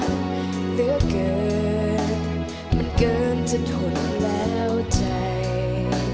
เหลือเกินมันเกินจะทนแล้วใจ